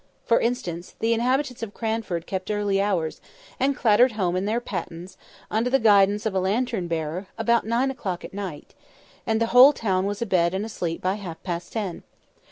For instance, the inhabitants of Cranford kept early hours, and clattered home in their pattens, under the guidance of a lantern bearer, about nine o'clock at night; and the whole town was abed and asleep by half past ten.